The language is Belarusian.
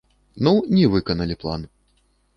Ну, не выканалі план.